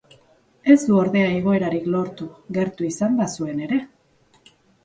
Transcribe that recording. Ez du ordea igoerarik lortu, gertu izan bazuen ere.